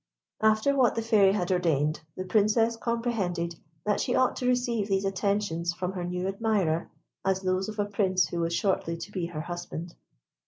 After what the Fairy had ordained, the Princess comprehended that she ought to receive these attentions from her new admirer as those of a Prince who was shortly to be her husband.